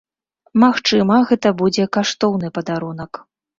Магчыма, гэта будзе каштоўны падарунак.